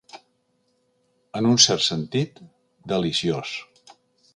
En un cert sentit, deliciós.